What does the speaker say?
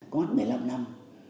có mất một mươi năm năm